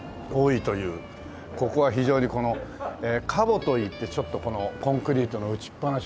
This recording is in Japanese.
ここは非常にこのＣＡＢＯといってちょっとこのコンクリートの打ちっぱなしの。